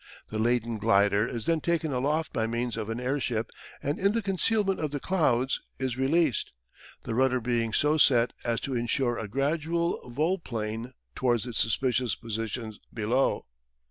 The laden glider is then taken aloft by means of an airship, and in the concealment of the clouds is released, the rudder being so set as to ensure a gradual vol plane towards the suspicious position below.